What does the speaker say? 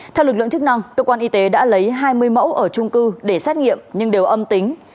theo lực lượng chức năng cơ quan y tế đã lấy hai mươi mẫu ở trung cư để xét nghiệm nhưng đều âm tính